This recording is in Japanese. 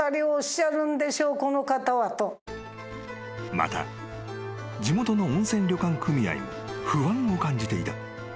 ［また地元の温泉旅館組合も不安を感じていた］